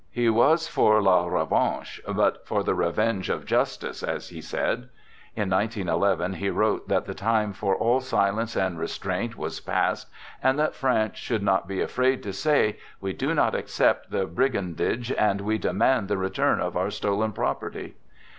He was for " la revanche," but for the " revenge of justice," as he said. In 191 1, he wrote that the time for all silence and restraint was past, and that France should not be afraid to say, " We do not accept the brigandage and we demand the return of our stolen property."